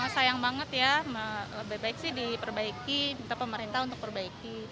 sayang banget ya lebih baik sih diperbaiki minta pemerintah untuk perbaiki